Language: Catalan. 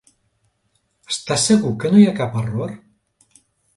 Estàs segur que no hi ha cap error?